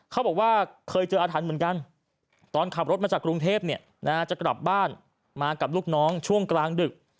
เขาบอกว่าเคยเจออาถรรพ์เหมือนกันตอนขับรถมาจากกรุงเทพจะกลับบ้านมากับลูกน้องช่วงกลางดึก